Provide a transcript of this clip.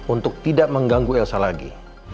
untuk tidak mengganggu elsa lagi